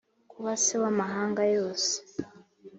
kuba se w amahanga yose